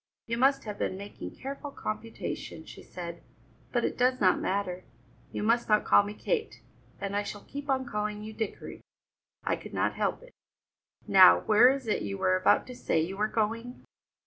"You must have been making careful computation," she said, "but it does not matter; you must not call me Kate, and I shall keep on calling you Dickory; I could not help it. Now, where is it you were about to say you were going?"